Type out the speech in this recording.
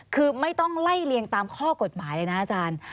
คือไม่ต้องไล่เลียงตามข้อกฎหมายเลยนะอาจารย์